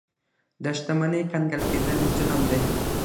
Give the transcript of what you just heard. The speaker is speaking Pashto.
د شتمنۍ کنګل کېدل ظلم دی.